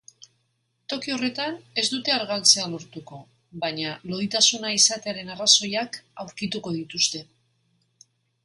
Toki horretan ez dute argaltzea lortuko, baina loditasuna izatearen arrazoiak aurkituko dituzte.